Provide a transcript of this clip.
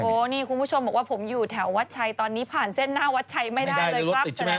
เลยโอปอล์นี่คุณผู้ชมบอกผมอยู่แถววัดใช้ตอนนี้ผ่านเส้นหน้าวัดใช้ไม่ได้เลยแสดงว่ารถติดแม่ง